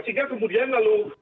sehingga kemudian lalu